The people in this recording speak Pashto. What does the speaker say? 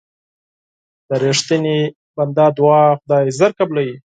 د رښتیني بنده دعا خدای ژر قبلوي.